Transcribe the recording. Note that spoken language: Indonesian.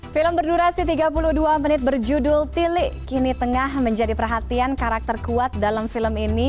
film berdurasi tiga puluh dua menit berjudul tilik kini tengah menjadi perhatian karakter kuat dalam film ini